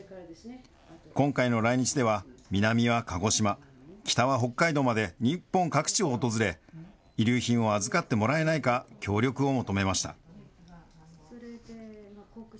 今回の来日では、南は鹿児島、北は北海道まで日本各地を訪れ、遺留品を預かってもらえないか協力を求めました。